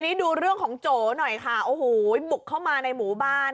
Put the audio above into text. นี่ดูเรื่องของโจหน่อยค่ะโอ้โหบุกเข้ามาในหมู่บ้าน